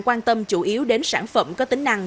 quan tâm chủ yếu đến sản phẩm có tính năng